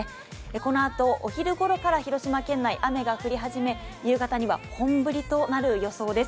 このあとお昼ごろから広島県内、雨が降り始め、夕方には本降りとなる予想です。